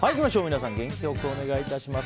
皆さん元気良くお願いします。